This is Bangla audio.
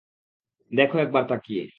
দ্যাখো একবার তাকিয়ে।